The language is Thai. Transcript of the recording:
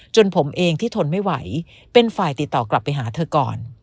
ผมเองที่ทนไม่ไหวเป็นฝ่ายติดต่อกลับไปหาเธอก่อน